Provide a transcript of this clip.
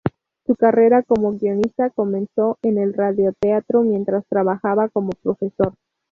Su carrera como guionista comenzó en el radioteatro mientras trabajaba como profesor.